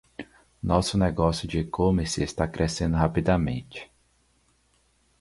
Nosso negócio de e-commerce está crescendo rapidamente.